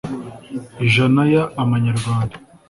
ijana y amanyarwanda